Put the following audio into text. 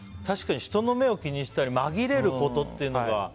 確かに人の目を気にしたりまぎれることっていうのが。